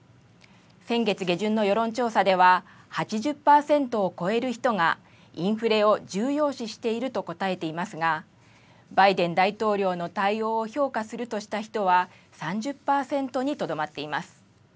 先月下旬の世論調査では、８０％を超える人が、インフレを重要視していると答えていますが、バイデン大統領の対応を評価するとした人は３０％にとどまっています。